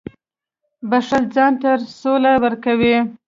• بښل ځان ته سوله ورکوي.